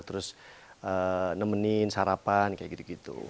terus nemenin sarapan kayak gitu gitu